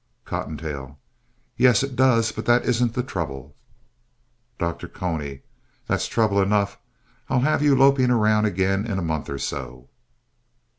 COTTONTAIL Yes, it does, but that isn't the trouble. DR. CONY That's trouble enough. I'll try to have you loping around again in a month or so.